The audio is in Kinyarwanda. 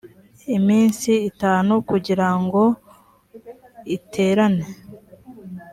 iminsi itanu kugira ngo iterane